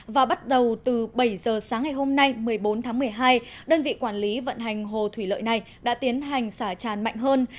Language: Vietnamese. và bắt đầu từ bảy giờ sáng ngày hôm nay một mươi bốn tháng một mươi hai đơn vị quản lý vận hành hồ thủy lợi này đã tiến hành xả tràn mạnh hơn